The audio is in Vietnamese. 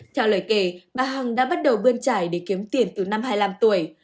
theo lời kể bà hằng đã bắt đầu bươn trải để kiếm tiền từ năm hai mươi năm tuổi